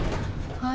はい。